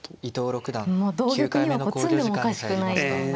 もう同玉には詰んでもおかしくないような。